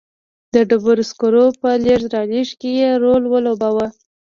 د ډبرو سکرو په لېږد رالېږد کې یې رول ولوباوه.